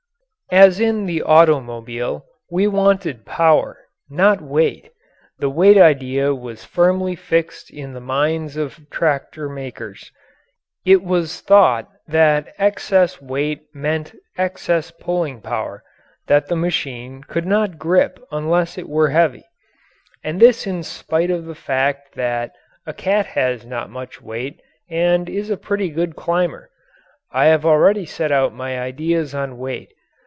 As in the automobile, we wanted power not weight. The weight idea was firmly fixed in the minds of tractor makers. It was thought that excess weight meant excess pulling power that the machine could not grip unless it were heavy. And this in spite of the fact that a cat has not much weight and is a pretty good climber. I have already set out my ideas on weight.